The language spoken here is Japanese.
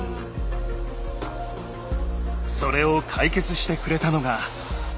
それを解決してくれたのが技術者の槇。